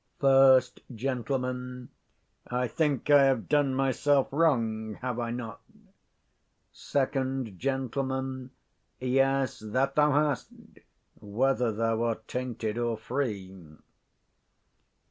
First Gent. I think I have done myself wrong, have I not? 40 Sec. Gent. Yes, that thou hast, whether thou art tainted or free.